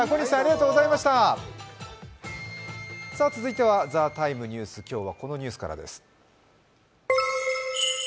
続いては「ＴＨＥＴＩＭＥ，ニュース」今日はこのニュースからです。